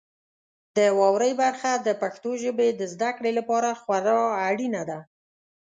د واورئ برخه د پښتو ژبې د زده کړې لپاره خورا اړینه ده.